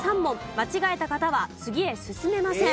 間違えた方は次へ進めません。